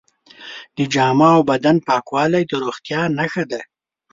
د جامو او بدن پاکوالی د روغتیا نښه ده.